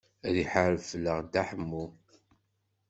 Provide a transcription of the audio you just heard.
Ad iḥareb fell-aɣ Dda Ḥemmu.